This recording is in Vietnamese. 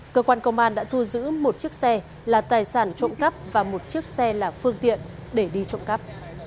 cơ quan công an đã thu giữ một chiếc xe là tài sản trộm cắp và một chiếc xe là phương tiện để đi trộm cắp